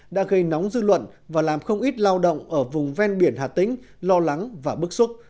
đã gây nóng dư luận và làm không ít lao động ở vùng ven biển hà tĩnh lo lắng và bức xúc